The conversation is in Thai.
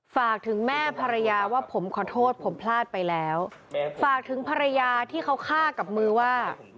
ฝากถึงแม่ภรรยาว่าผมขอโทษผมพลาดไปแล้วฝากถึงภรรยาที่เขาฆ่ากับมือว่า